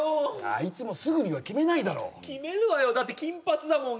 あいつもすぐには決めないだろ決めるわよだって金髪だもん